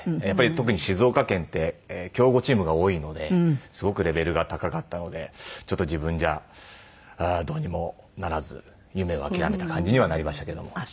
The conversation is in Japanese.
やっぱり特に静岡県って強豪チームが多いのですごくレベルが高かったのでちょっと自分じゃどうにもならず夢を諦めた感じにはなりましたけども。